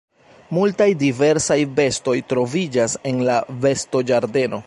Multaj diversaj bestoj troviĝas en la bestoĝardeno.